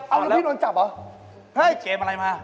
เอาแล้วพี่โดนจับเหรอเฮ้ยเกมอะไรมา